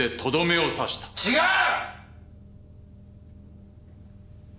違う！